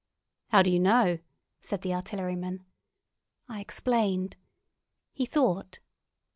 "How do you know?" said the artilleryman. I explained. He thought.